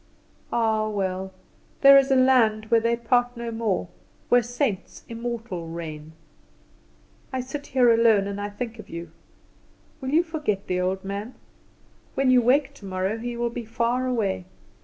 Ah, well, there is a land where they part no more, where saints immortal reign. "I sit here alone, and I think of you. Will you forget the old man? When you wake tomorrow he will be far away.